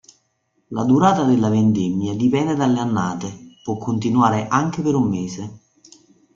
La durata della vendemmia dipende dalle annate: può continuare anche per un mese.